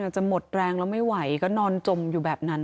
จะหมดแรงแล้วไม่ไหวก็นอนจมอยู่แบบนั้น